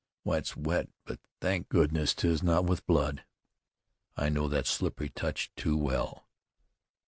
Why, it's wet, but, thank goodness! 'tis not with blood. I know that slippery touch too well.